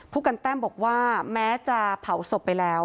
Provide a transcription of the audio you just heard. ผู้กันแต้มบอกว่าแม้จะเผาศพไปแล้ว